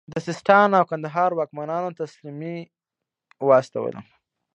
د سیستان او کندهار واکمنانو تسلیمي واستوله.